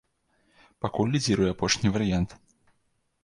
Пакуль лідзіруе апошні варыянт.